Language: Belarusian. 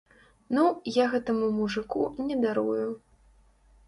Ну, я гэтаму мужыку не дарую!